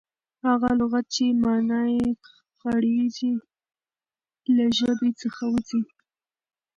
هغه لغت، چي مانا ئې خړېږي، له ژبي څخه وځي.